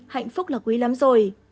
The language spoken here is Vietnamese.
hạnh phúc là quý lắm rồi